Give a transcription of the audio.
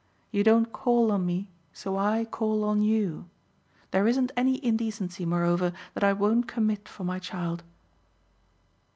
You don't call on me so I call on YOU. There isn't any indecency moreover that I won't commit for my child."